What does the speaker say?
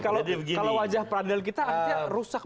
kalau wajah peradilan kita artinya rusak